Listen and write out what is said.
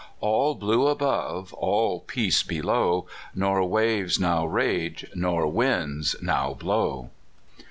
213 All blue above, all peace below, Nor waves now rage, nor winds now blow.